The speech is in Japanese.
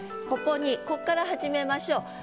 ここにこっから始めましょう。